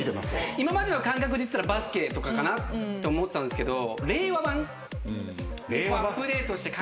今までの感覚でいってたらバスケとかかなと思ってたんですけど。